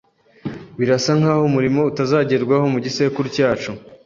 Birasa nkaho umurimo utazagerwaho mu gisekuru cyacu.